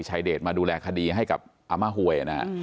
ชายเดชน์มาดูแลคดีให้กับอาม่าหวย